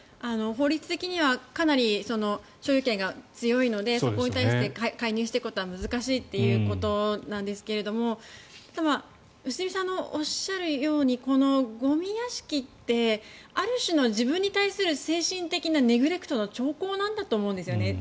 法律的にはかなり所有権が強いのでここに対して介入していくことは難しいということなんですがあとは良純さんのおっしゃるようにこのゴミ屋敷ってある種の自分に対する精神的なネグレクトの兆候なんだと思うんですね。